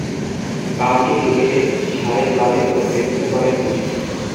County ক্রিকেটে Surrey ক্লাবের প্রতিনিধিত্ব করেন তিনি।